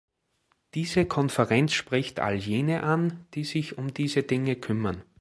Diese Konferenz spricht all jene an, die sich um diese Dinge kümmern.